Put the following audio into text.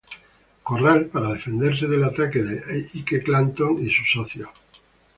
Corral, para defenderse del ataque de Ike Clanton y sus socios.